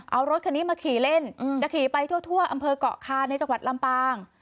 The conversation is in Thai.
เอารถคันนี้มาขี่เล่นจะขี่ไปทั่วอำเภอกเกาะคาในจังหวัดลำปาง